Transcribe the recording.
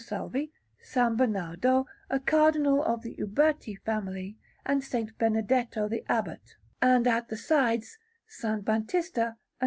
Salvi, S. Bernardo, a Cardinal of the Uberti family, and S. Benedetto the Abbot, and, at the sides, S. Batista and S.